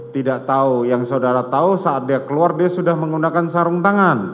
tidak tahu yang saudara tahu saat dia keluar dia sudah menggunakan sarung tangan